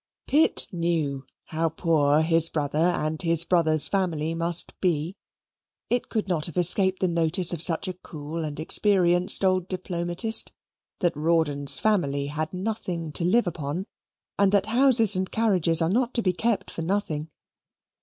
Pitt knew how poor his brother and his brother's family must be. It could not have escaped the notice of such a cool and experienced old diplomatist that Rawdon's family had nothing to live upon, and that houses and carriages are not to be kept for nothing.